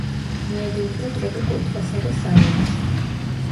მიედინება ტროპიკულ ტყესა და სავანაში.